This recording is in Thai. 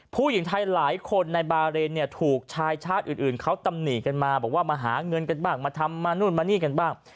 ผู้หญิงไทยหลายคนในบาเรนเนี่ยถูกชายชาติอื่นเขาตำหนิกันมาบอกว่ามาหาเงินกันบ้างมาทำมานู่นมานี่กันบ้าง